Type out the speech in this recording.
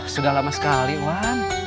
sudah lama sekali wan